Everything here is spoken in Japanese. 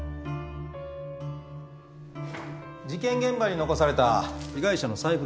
事件現場に残された被害者の財布です。